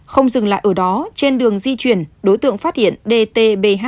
không dừng lại ở đó trên đường di chuyển đối tượng phát hiện dtbh